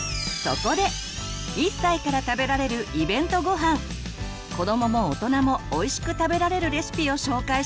子どもも大人もおいしく食べられるレシピを紹介します。